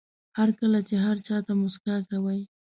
هر کله چې هر چا ته موسکا کوئ.